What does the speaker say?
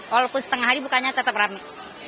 walaupun setengah hari bukanya tetap rame